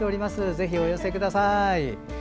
ぜひお寄せください。